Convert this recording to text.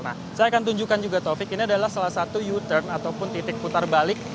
nah saya akan tunjukkan juga taufik ini adalah salah satu u turn ataupun titik putar balik